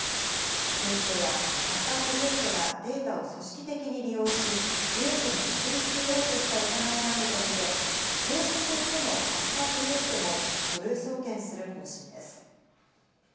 警視庁は、カッパ・クリエイトがデータを組織的に利用し、利益に結び付ようとした疑いがあるとして、法人としてのカッパ・クリエイトも、書類送検する方針です。